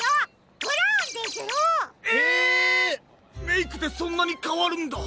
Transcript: メイクでそんなにかわるんだ。